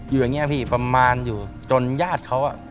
อยู่อย่างเงี้ยพี่ประมาณอยู่จนญาติเขาอ่ะ